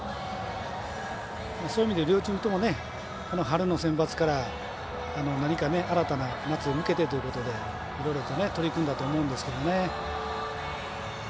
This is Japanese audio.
そういう意味で両チームとも春のセンバツから新たな夏へ向けてということでいろいろと取り組んだと思うんですけどね。